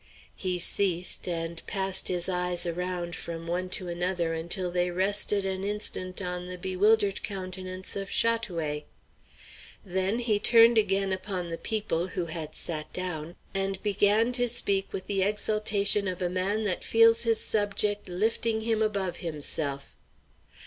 He ceased, and passed his eyes around from one to another until they rested an instant on the bewildered countenance of Chat oué. Then he turned again upon the people, who had sat down, and began to speak with the exultation of a man that feels his subject lifting him above himself.